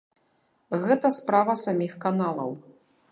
Гэта справа саміх каналаў.